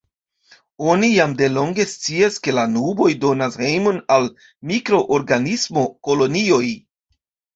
Oni jam delonge scias, ke la nuboj donas hejmon al mikroorganismo-kolonioj.